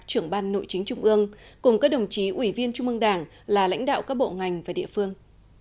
trưởng ban nội chính trung ương cùng các đồng chí ủy viên trung ương đảng là lãnh đạo các bộ ngành và địa phương